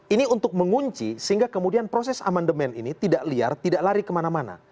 ini untuk mengunci sehingga kemudian proses amandemen ini tidak liar tidak lari kemana mana